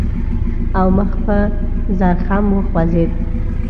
او مخ په زرخم وخوځېد.